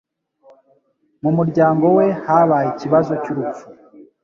Mu muryango we habaye ikibazo cyurupfu.